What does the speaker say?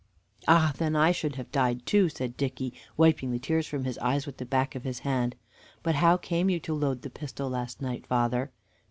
"Ah, then I should have died too!" said Dicky, wiping the tears from his eyes with the back of his hand. "But how came you to load the pistol last night, father?"